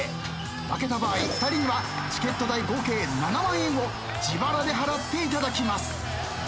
負けた場合２人にはチケット代合計７万円を自腹で払っていただきます。